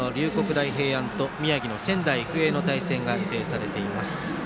大平安と宮城の仙台育英の対戦が予定されています。